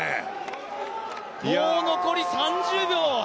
もう残り３０秒。